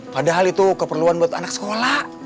padahal itu keperluan buat anak sekolah